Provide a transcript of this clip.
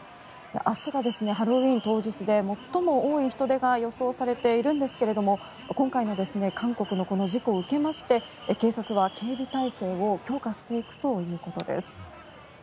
明日がハロウィーン当日で最も多い人出が予想されているんですが今回の韓国の事故を受けまして警察は警備態勢を強化していくということです。